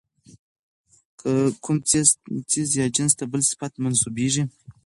که کوم څيز ىا جنس ته بل صفت منسوبېږي،